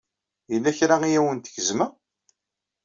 Yella kra ay awent-gezmeɣ?